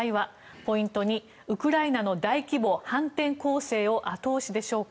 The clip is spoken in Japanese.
ポイント２、ウクライナの大規模反転攻勢を後押しでしょうか。